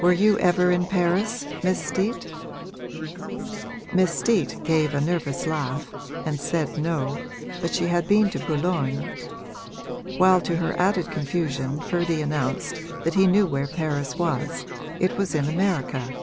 'Were you ever in Paris, Miss Steet?' Miss Steet gave a nervous laugh and said No, but she had been to Boulogne; while to her added confusion Ferdy announced that he knew where Paris was it was in America.